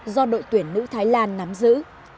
do đội tuyển nữ thái lan nắm giữ